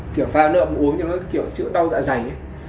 kiểu pha lượm uống cho nó kiểu chữa đau dạ dày